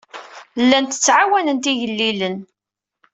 Llant ttɛawanent igellilen.